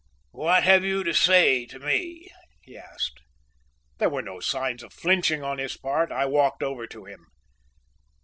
"What have you to say to me?" he asked. There were no signs of flinching on his part. I walked over to him.